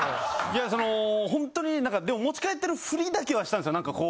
いやそのほんとに何かでも持ち帰ってるフリだけはしたんすよ。